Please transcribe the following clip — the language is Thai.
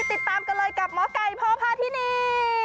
ติดตามกันเลยกับหมอไก่พ่อพาธินี